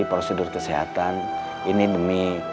prosedur kesehatan ini demi